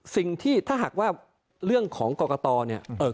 สิ่งที่ถ้าหากว่าเรื่องของกรกตเนี่ย